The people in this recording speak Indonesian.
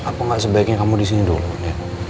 apa nggak sebaiknya kamu disini dulu nek